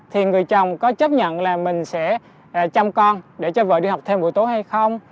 thì người chồng có chấp nhận là mình sẽ chăm con để cho vợ đi học thêm buổi tối hay không